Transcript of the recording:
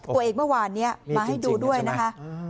เมื่อวานนี้มาให้ดูด้วยนะคะ